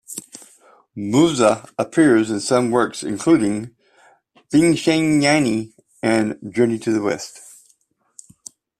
Muzha appears in some works including "Fengshen Yanyi" and "Journey to the West".